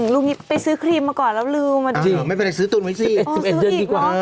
ลุงไปซื้อครีมมาก่อนแล้วลืมไม่เป็นไรซื้อตุนไว้สิ๑๑เดือนดีกว่า